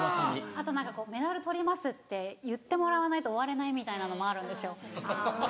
あと何かこう「メダル取ります」って言ってもらわないと終われないみたいなのもあるんですよ。